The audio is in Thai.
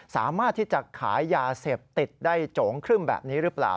สามารถที่จะขายยาเสพติดได้โจ๋งครึ่มแบบนี้หรือเปล่า